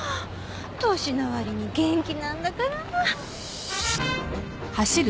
年のわりに元気なんだから。